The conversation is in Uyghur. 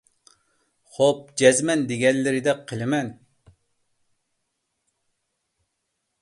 خوپ، جەزمەن دېگەنلىرىدەك قىلىمەن.